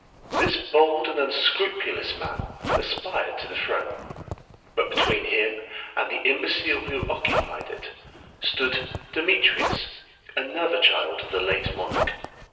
This bold and unscrupulous man aspired to the throne, but between him and the imbecile who occupied it stood Demetrius, another child of the late monarch.